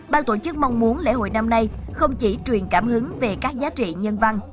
ban tổ chức mong muốn lễ hội năm nay không chỉ truyền cảm hứng về các giá trị nhân văn